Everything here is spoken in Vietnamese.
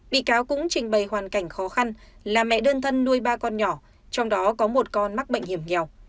bị cáo cũng trình bày hoàn cảnh khó khăn là mẹ đơn thân nuôi ba con nhỏ trong đó có một con mắc bệnh hiểm nghèo